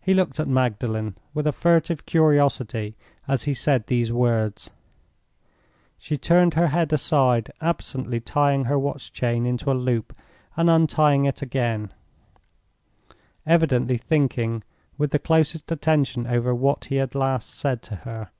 He looked at Magdalen with a furtive curiosity as he said those words. She turned her head aside, absently tying her watch chain into a loop and untying it again, evidently thinking with the closest attention over what he had last said to her.